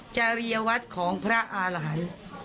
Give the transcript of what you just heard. จริยวัตรของพระอาหาร